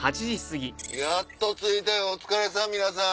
やっと着いたよお疲れさん皆さん。